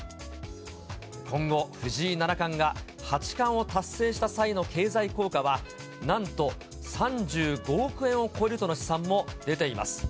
今後、藤井七冠が八冠を達成した際の経済効果は、なんと３５億円を超えるとの試算も出ています。